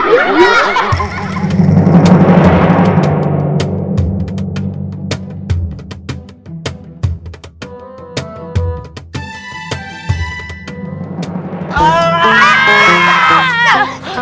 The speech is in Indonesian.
jangan asal pencet